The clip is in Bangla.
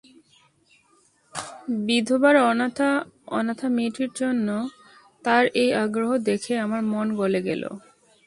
বিধবার অনাথা মেয়েটির জন্য তাঁর এই আগ্রহ দেখে আমার মন গলে গেল।